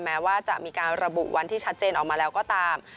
แม้ว่าจะมีการระบุวันที่ชัดเจนออกมาแล้วก็ตาม